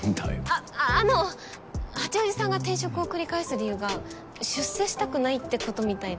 あっあの八王子さんが転職を繰り返す理由が出世したくないってことみたいで。